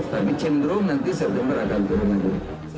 tapi jika turun nanti september akan turun lagi